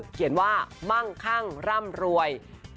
เขียนว่ามั่งข้างร่ำรวย๘๙๓๖๒